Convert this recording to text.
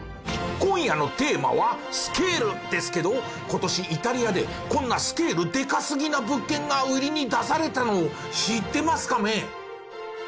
今夜のテーマは「スケール」ですけど今年イタリアでこんなスケールでかすぎな物件が売りに出されたのを知ってますカメ？